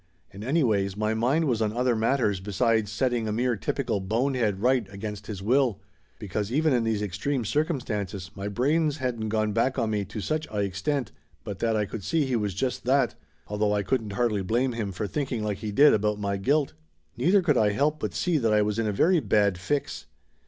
And anyways, my mind was on other matters be sides setting a mere typical bonehead right against his will, because even in these extreme circumstances my brains hadn't gone back on me to such a extent but that I could see he was just that, although I couldn't hardly blame him for thinking like he did about my guilt. Neither could I help but see that I was in a very bad fix.